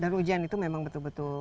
dan ujian itu memang betul betul